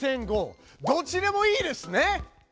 どっちでもいいですね。